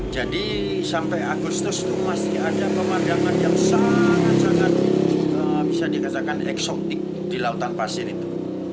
jadi sampai agustus itu masih ada pemerdakan yang sangat sangat bisa dikatakan eksotik di lautan pasir itu